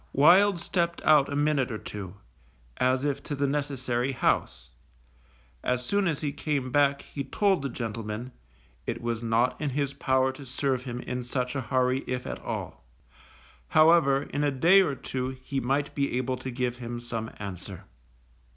Wild stepped out a minute or two, as if to the necessary house; as soon as he came back he told the gentleman, it was not in his power to serve him in such a hurry, if at all; however, in a day or two he might be able to give him some answer.